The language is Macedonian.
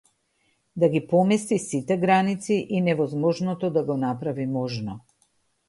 Да ги помести сите граници и невозможното да го направи можно.